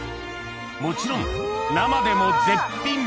もちろん生でも絶品！